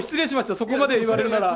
そこまで言われるなら。